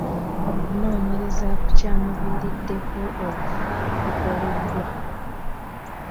Okunoonyereza ku kyamuviiriddeko okufa kukolebwa.